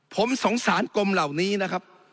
ผมสงสารกลมเหล่านี้นะครับ